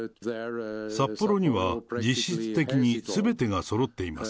札幌には実質的にすべてがそろっています。